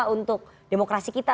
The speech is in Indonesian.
untuk demokrasi kita